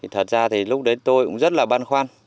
thật ra thì lúc đấy tôi cũng rất là băn khoăn